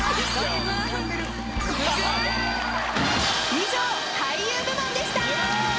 以上俳優部門でした！